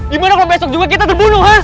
gimana kalau besok juga kita terbunuh ha